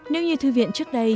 nếu như thư viện trước đây